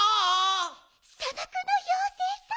さばくのようせいさん。